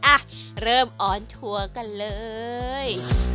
อ่ะเริ่มออนทัวร์กันเลย